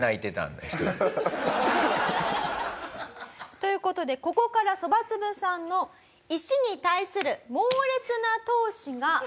という事でここからそばつぶさんの石に対する猛烈な闘志が爆発していきます。